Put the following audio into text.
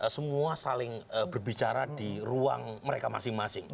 semua saling berbicara di ruang mereka masing masing